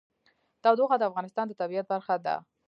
تودوخه د افغانستان د طبیعت برخه ده.